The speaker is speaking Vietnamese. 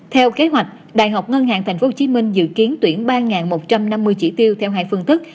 theo kế hoạch đại học ngân hàng tp hcm dự kiến tuyển ba một trăm năm mươi chỉ tiêu theo hai phương tức